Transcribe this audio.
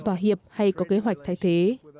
thỏa hiệp hay có kế hoạch thay thế